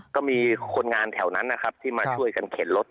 ก็มีคนงานแถวนั้นนะครับที่มาช่วยกันเข็นรถ